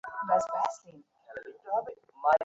আমার নাম বললে সে তোমাদের হেল্প করবে।